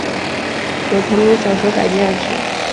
由同名小说改编而成。